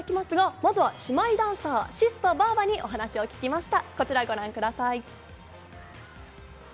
まずは姉妹ダンサー・ＳＩＳとばあばにお話を聞きました。